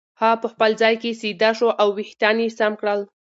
هغه په خپل ځای کې سیده شو او وېښتان یې سم کړل.